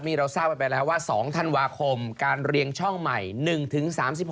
นี่เราทราบกันไปแล้วว่า๒ธันวาคมการเรียงช่องใหม่๑๓๖